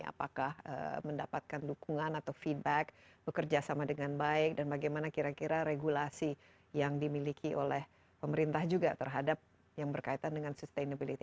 apakah mendapatkan dukungan atau feedback bekerja sama dengan baik dan bagaimana kira kira regulasi yang dimiliki oleh pemerintah juga terhadap yang berkaitan dengan sustainability